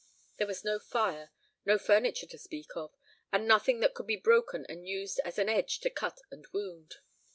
There was no fire, no furniture to speak of, and nothing that could be broken and used as an edge to cut and wound.